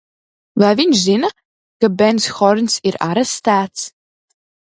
Vai viņš zina, ka Bens Horns ir arestēts?